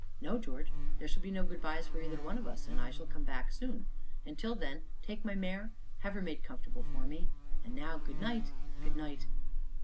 "No, George, there shall be no 'good bys' for either one of us, and I shall come back soon. Until then, take my mare have her made comfortable for me, and now good night good night!"